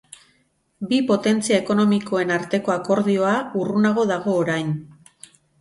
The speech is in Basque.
Bi potentzia ekonomikoen arteko akordioa urrunago dago orain.